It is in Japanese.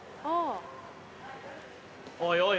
おいおい